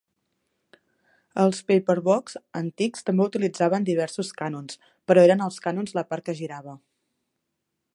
Els "pepperbox" antics també utilitzaven diversos canons, però eren els canons la part que girava.